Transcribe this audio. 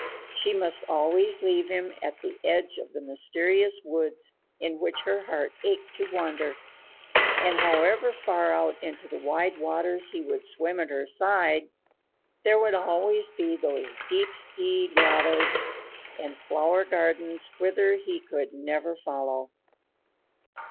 She must always leave him at the edge of the mysterious woods in which her heart ached to wander, and, however far out into the wide waters he would swim at her side, there would always be those deep sea grottoes and flower gardens whither he could never follow.